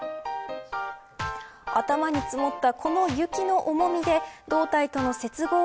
頭に積もったこの雪の重みで胴体との接合